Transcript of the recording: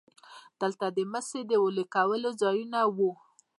دلته د مسو د ویلې کولو ځایونه وو